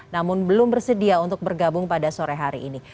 namun belum bersedia untuk bergabung pada sore hari ini